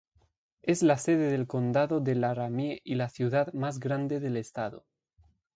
Es la sede del condado de Laramie y la ciudad más grande del estado.